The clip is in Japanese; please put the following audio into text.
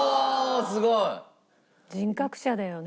すごい！人格者だよねホント。